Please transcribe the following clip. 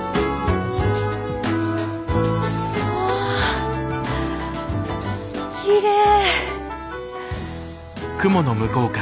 わきれい。